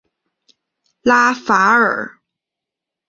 拉法尔。